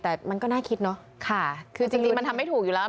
แต่มันก็น่าคิดเนอะค่ะคือจริงมันทำไม่ถูกอยู่แล้ว